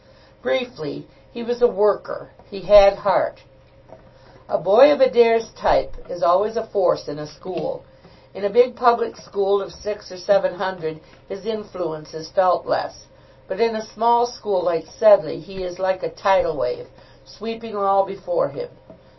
Briefly, he was a worker. He had heart. A boy of Adair's type is always a force in a school. In a big public school of six or seven hundred, his influence is felt less; but in a small school like Sedleigh he is like a tidal wave, sweeping all before him.